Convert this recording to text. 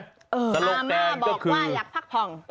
อาม่าบอกว่าอยากพักผ่อง